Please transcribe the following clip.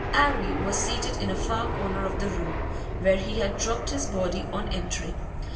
'Arry was seated in a far corner of the room, where he had dropped his body on entering.